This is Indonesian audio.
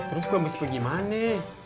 terus gua mesti pergi mana